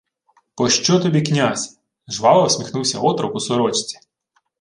— Пощо тобі князь? — жваво всміхнувся отрок у сорочці.